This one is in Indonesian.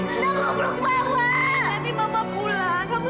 sita mau beluk mama